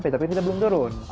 udah sampai tapi kita belum turun